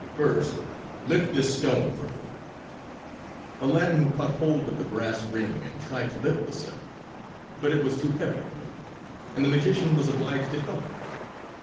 "First lift this stone for me." Aladdin caught hold of the brass ring and tried to lift the stone, but it was too heavy for him, and the magician was obliged to help him.